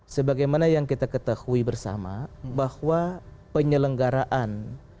sebagai mana yang kita ketahui bersama bahwa penyelenggaraan